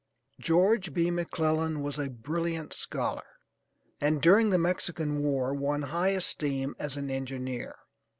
George B. McClellan was a brilliant scholar, and during the Mexican war won high esteem as an engineer.